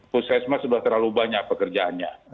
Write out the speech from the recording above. puskesmas sudah terlalu banyak pekerjaannya